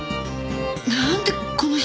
なんでこの人？